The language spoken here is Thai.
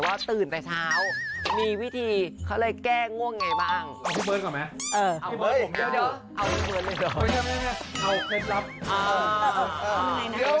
ไม่คือเคยบอกใครเลยมันแบบ